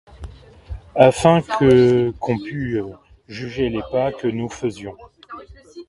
Afin qu'on pût juger les pas que nous faisions